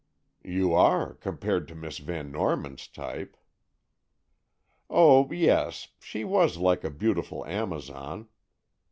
"You are, compared to Miss Van Norman's type." "Oh, yes; she was like a beautiful Amazon.